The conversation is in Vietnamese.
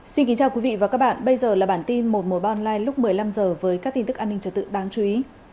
xin kính chào quý vị và các bạn bây giờ là bản tin một trăm một mươi ba online lúc một mươi năm h với các tin tức an ninh trật tự đáng chú ý